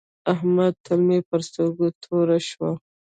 احمد ته مې پر سترګو توره شوه.